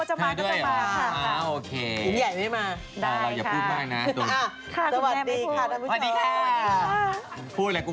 เจอเราด้วยเพราะจะมา